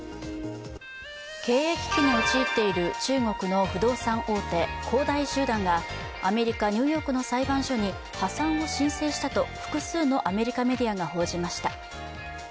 経営危機に陥っている中国の不動産大手、恒大集団がアメリカ・ニューヨークの裁判所に破産を申請したと複数のアメリカメディアが報じました。